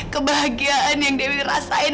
kebahagiaan yang dewi rasain